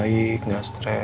bisa cepet membaik gak stress